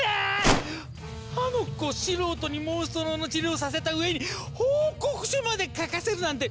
あの子素人にモンストロの治療をさせた上に報告書まで書かせるなんて！